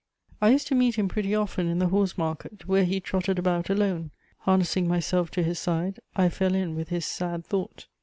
I used to meet him pretty often in the Horse market, where he trotted about alone; harnessing myself to his side, I fell in with "his sad thought."